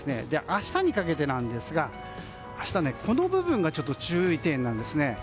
明日にかけてなんですが明日、この部分が注意点なんですね。